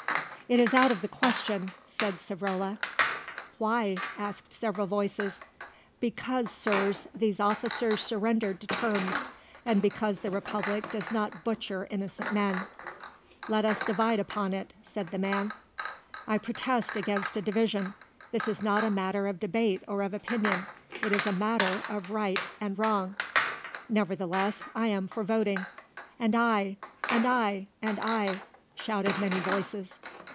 "It is out of the question," said Savrola. "Why?" asked several voices. "Because, Sirs, these officers surrendered to terms, and because the Republic does not butcher innocent men." "Let us divide upon it," said the man. "I protest against a division. This is not a matter of debate or of opinion; it is a matter of right and wrong." "Nevertheless I am for voting." "And I," "And I," "And I," shouted many voices.